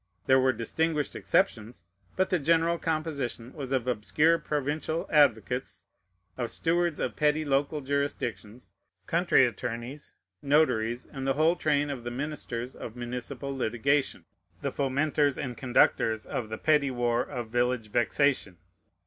There were distinguished exceptions; but the general composition was of obscure provincial advocates, of stewards of petty local jurisdictions, country attorneys, notaries, and the whole train of the ministers of municipal litigation, the fomenters and conductors of the petty war of village vexation.